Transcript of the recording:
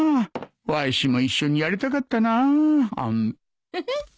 わしも一緒にやりたかったなフフ。